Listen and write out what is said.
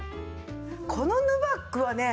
このヌバックはね